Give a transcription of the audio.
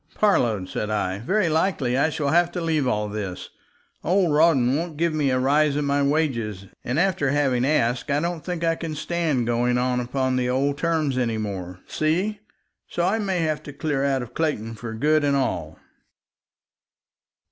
"Parload," said I, "very likely I shall have to leave all this. Old Rawdon won't give me a rise in my wages, and after having asked I don't think I can stand going on upon the old terms anymore. See? So I may have to clear out of Clayton for good and all."